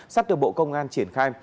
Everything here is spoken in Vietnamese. sắp được bộ công an triển khai